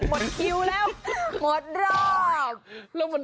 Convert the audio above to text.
หมดคิวแล้วหมดรอบ